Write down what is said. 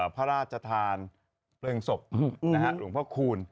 พระราชทานเครื่องศพหลุมพคูณ